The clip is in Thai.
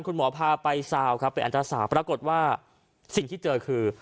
คุณหมอพาไปซาวครับเป็นอันตราสาวปรากฏว่าสิ่งที่เจอคือ